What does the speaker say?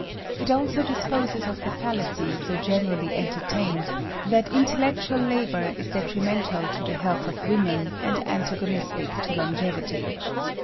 It also disposes of the fallacy, so generally entertained, that intellectual labor is detrimental to the health of women and antagonistic to longevity.